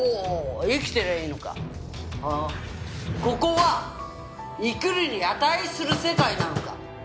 ここは生きるに値する世界なのか？